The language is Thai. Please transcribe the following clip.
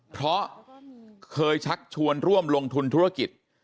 เพราะเคยชักชวนร่วมลงทุนธุรกิจ